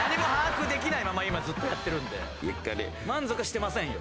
満足はしてませんよ。